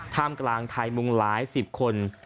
ท่ามกลางไทยมุงหลายสิบคน